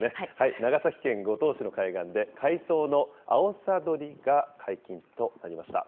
長崎県五島市の海岸で、海藻のアオサ採りが解禁となりました。